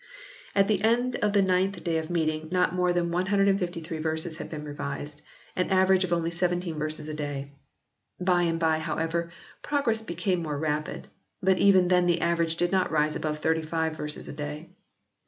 At the end of the ninth day of meeting, not more than 153 verses had been revised, an average of only seventeen verses a day. By and by, however, progress became more rapid, but even then the average did not rise above thirty five verses a day.